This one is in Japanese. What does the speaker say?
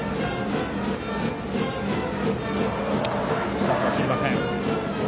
スタートは切りません。